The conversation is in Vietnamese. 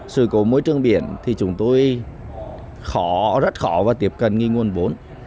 sự cố mối trương biển thì chúng tôi khó rất khó và tiếp cận nghi ngôn bốn